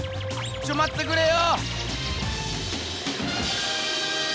ちょっまってくれよ。